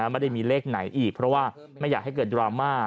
ไม่ได้มีเลขไหนอีกเพราะว่าไม่อยากให้เกิดดราม่า